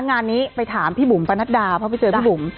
งานนี้ไปถามพี่บุ๋มปะนัดดาเพราะไปเจอพี่บุ๋ม